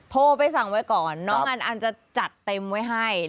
โทรไปสั่งไว้ก่อนน้องอันอันจะจัดเต็มไว้ให้